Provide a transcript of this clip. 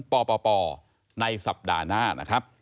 ปปในสัปดาห์หน้านะครับ